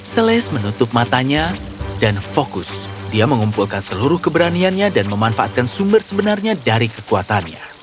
selis menutup matanya dan fokus dia mengumpulkan seluruh keberaniannya dan memanfaatkan sumber sebenarnya dari kekuatannya